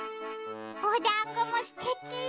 おだんごもすてき。